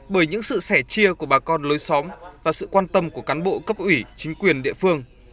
bởi những sự sẻ chia của bà con lối xóm và sự quan tâm của cán bộ cấp ủy chính quyền địa phương